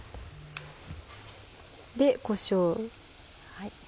でこしょう。